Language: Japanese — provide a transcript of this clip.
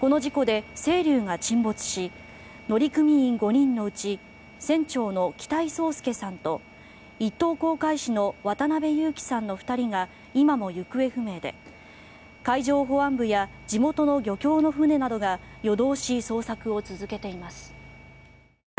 この事故で「せいりゅう」が沈没し乗組員５人のうち船長の北井宗祐さんと１等航海士の渡辺侑樹さんの２人が今も行方不明で海上保安部や地元の漁協の船などが夜通し捜索を続けています。